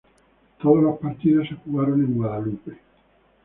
Todos los partidos se jugaron en Guadalupe.